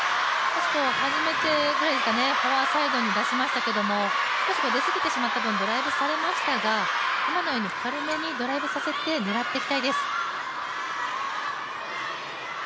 初めてぐらいですかね、フォアサイドに出しましたけれども、少し出過ぎてしまった分、ドライブされましたが、今のように軽めにドライブさせて狙っていきたいです。